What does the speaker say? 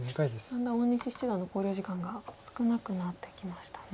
だんだん大西七段の考慮時間が少なくなってきましたね。